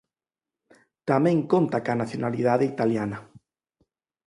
Tamén conta coa nacionalidade italiana.